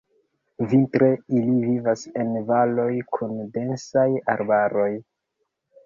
Vintre ili vivas en valoj kun densaj arbaroj.